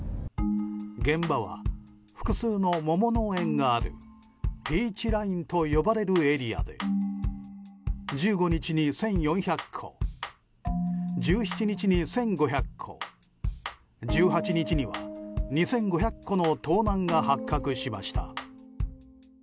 現場は複数の桃農園があるピーチラインと呼ばれるエリアで１５日に１４００個１７日に１５００個１８日には２５００個の盗難が発覚しました。